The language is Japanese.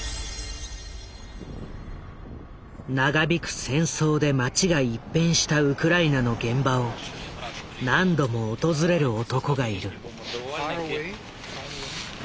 長引く戦争で街が一変したウクライナの現場を何度も訪れる男がいる。